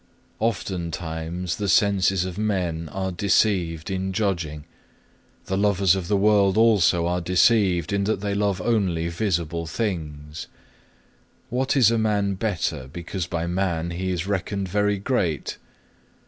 8. Oftentimes the senses of men are deceived in judging; the lovers of the world also are deceived in that they love only visible things. What is a man better because by man he is reckoned very great?